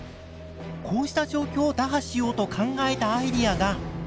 こうした状況を打破しようと考えたアイデアが。